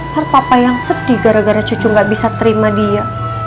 kan papa yang sedih gara gara cucu gak bisa terima dia